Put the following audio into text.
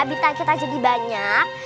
bintang kita jadi banyak